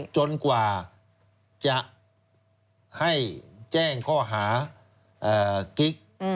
จนกว่าจะให้แจ้งข้อหากิ๊ก